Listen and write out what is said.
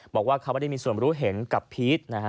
บอกว่าเขาไม่ได้มีส่วนรู้เห็นกับพีชนะฮะ